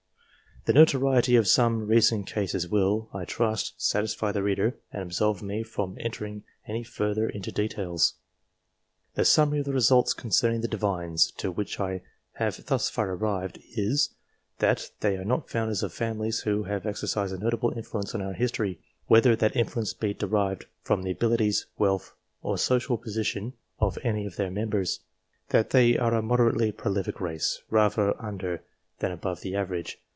The notoriety of some recent cases will, I trust, satisfy the reader, and absolve me from entering any further into details. The summary of the results concerning the Divines, to which I have thus far arrived, is : That they are not founders of families who have exercised a notable influence on our history, whether that influence be derived from the abilities, wealth, or social position of any of their members. That they are a moderately prolific race, rather under, than above the average.